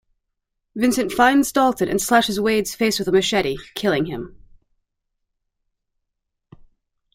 Vincent finds Dalton and slashes Wade's face with a machete, killing him.